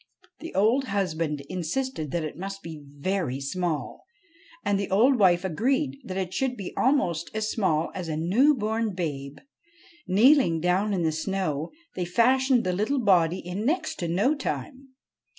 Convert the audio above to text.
The old husband insisted that it must be very small, and the old wife agreed that it should be almost as small as a new born babe. Kneeling down in the snow, they fashioned the little body in next to no time.